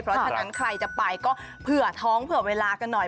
เพราะฉะนั้นใครจะไปก็เผื่อท้องเผื่อเวลากันหน่อย